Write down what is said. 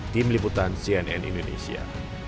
tim liputan cnn indonesia